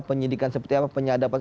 penyidikan seperti apa penyadapan